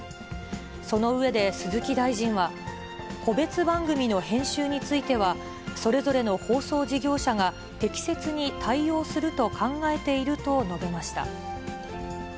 その上で鈴木大臣は、個別番組の編集については、それぞれの放送事業者が適切に対応すると考えていると述べました。